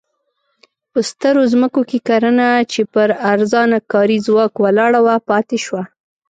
په سترو ځمکو کې کرنه چې پر ارزانه کاري ځواک ولاړه وه پاتې شوه.